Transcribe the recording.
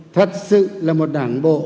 thật sự là một đảng bộ